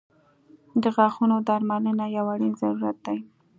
• د غاښونو درملنه یو اړین ضرورت دی.